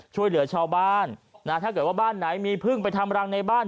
ช่วยเหลือชาวบ้านนะถ้าเกิดว่าบ้านไหนมีพึ่งไปทำรังในบ้าน